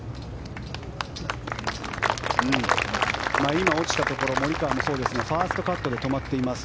今落ちたところもそうですがファーストカットで止まっています。